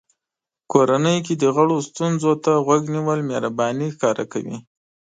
کورنۍ کې د غړو ستونزو ته غوږ نیول مهرباني ښکاره کوي.